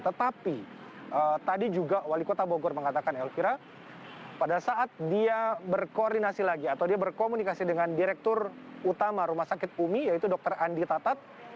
tetapi tadi juga wali kota bogor mengatakan elvira pada saat dia berkoordinasi lagi atau dia berkomunikasi dengan direktur utama rumah sakit umi yaitu dr andi tatat